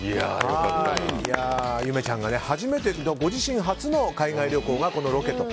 ゆめちゃんがご自身初の海外旅行はこのロケと。